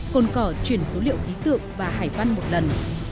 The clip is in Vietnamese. cồn cỏ chuyển số liệu khí tượng và hải văn một lần